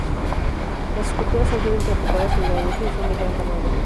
Las esculturas han sido interpretadas en granito y son de gran tamaño.